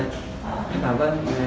thì bảo vâng